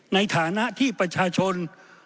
ในฐานะที่ประชาชน